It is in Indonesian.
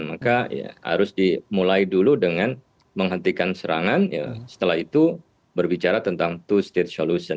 maka harus dimulai dulu dengan menghentikan serangan setelah itu berbicara tentang two state solution